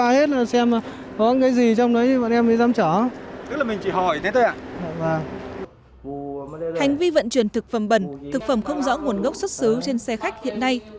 hành vi vận chuyển thực phẩm bẩn thực phẩm không rõ nguồn gốc xuất xứ trên xe khách hiện nay